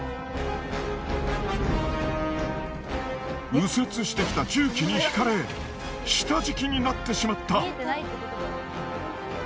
右折してきた重機にひかれ下敷きになってしまった！